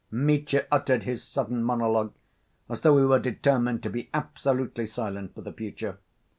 Mitya uttered his sudden monologue as though he were determined to be absolutely silent for the future.